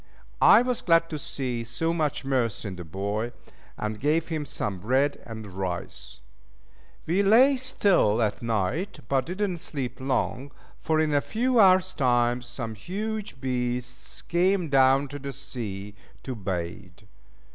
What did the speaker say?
I was glad to see so much mirth in the boy, and gave him some bread and rice. We lay still at night, but did not sleep long, for in a few hours' time some huge beasts came down to the sea to bathe.